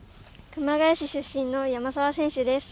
熊谷市出身の山沢選手です。